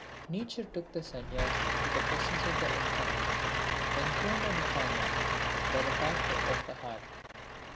Nature took the Sanyasi to the presence of the Infinite, enthroned on the finite, by the pathway of the heart.